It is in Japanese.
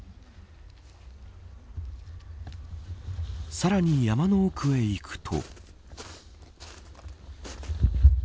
さらに山の奥へ行くと。